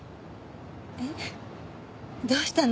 えっどうしたの？